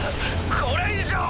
これ以上は。